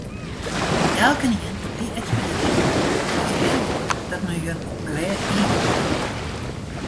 Elkenien op dy ekspedysje wist hiel goed dat men jin op glêd iis bejoech.